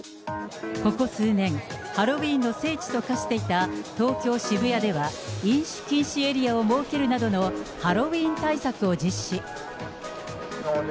ここ数年、ハロウィーンの聖地と化していた東京・渋谷では、飲酒禁止エリアを設けるなどのハロウィーン対策を実施。